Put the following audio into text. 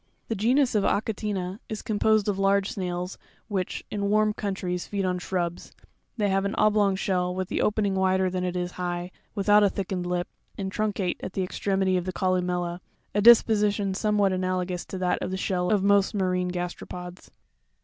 19. The genus of AcHaTINa (fig. 27) is composed of Fig. 26. large snails, which, AMBRETTE. in warm countries, feed on shrubs ; they have an oblong shell with the opening wider than it is high, without a thickened lip, and truncate at the extremity of the colu mella, a disposition somewhat analo gous to that of the shell of most ma rine gasteropods.